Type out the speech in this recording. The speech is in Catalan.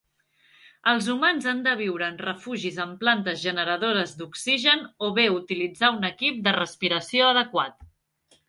Els humans han de viure en refugis amb plantes generadores d'oxigen o bé utilitzar un equip de respiració adequat.